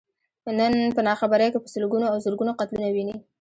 نن په ناخبرۍ کې په سلګونو او زرګونو قتلونه ويني.